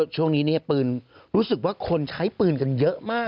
ช่วงนี้ปืนรู้สึกว่าคนใช้ปืนกันเยอะมาก